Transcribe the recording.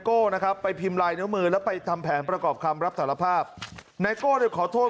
โก้นะครับไปพิมพ์ลายแต่วเมืองไปทำแผนประกอบคำรับถารพภาพนายก็จะขอโทษ